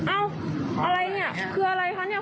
อะไรเนี่ยคืออะไรคะเนี่ย